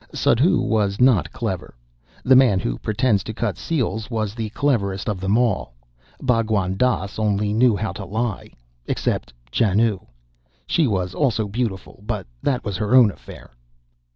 Suddhoo was not clever. The man who pretended to cut seals was the cleverest of them all Bhagwan Dass only knew how to lie except Janoo. She was also beautiful, but that was her own affair.